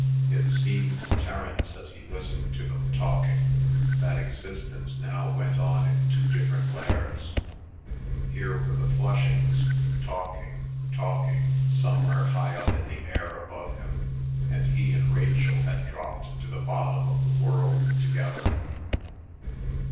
It seemed to Terence as he listened to them talking, that existence now went on in two different layers. Here were the Flushings talking, talking somewhere high up in the air above him, and he and Rachel had dropped to the bottom of the world together.